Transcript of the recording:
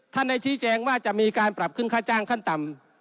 ได้ชี้แจงว่าจะมีการปรับขึ้นค่าจ้างขั้นต่ำ